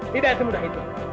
tidak semudah itu